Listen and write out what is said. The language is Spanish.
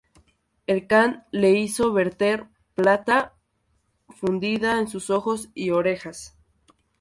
El kan le hizo verter plata fundida en sus ojos y orejas.